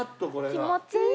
気持ちいい。